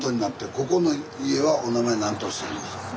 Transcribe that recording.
ここの家はお名前何ておっしゃるんですか？